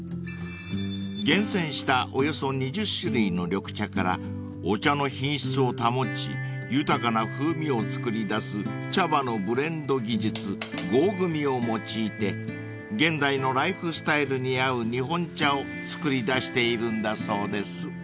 ［厳選したおよそ２０種類の緑茶からお茶の品質を保ち豊かな風味を作り出す茶葉のブレンド技術合組を用いて現代のライフスタイルに合う日本茶を作り出しているんだそうです］